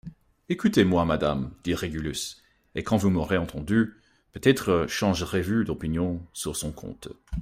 Ecoutez-moi, madame, dit Régulus, et quand vous m'aurez entendu, peut-être changerez-vous d'opinion sur son compte.